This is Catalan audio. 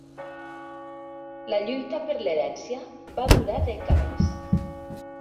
La lluita per l'herència va durar dècades.